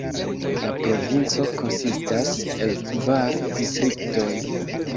La provinco konsistas el kvar distriktoj.